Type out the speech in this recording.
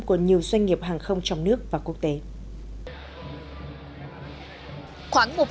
của nhiều doanh nghiệp hàng không trong nước và quốc tế